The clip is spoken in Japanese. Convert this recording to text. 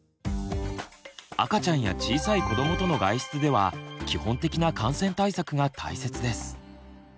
赤ちゃんや小さい子どもとの外出では基本的な感染対策が大切です。